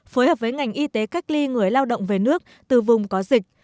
phối hợp với ngành y tế cách ly người lao động về nước từ vùng có dịch